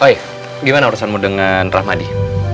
baik gimana urusanmu dengan rahmadi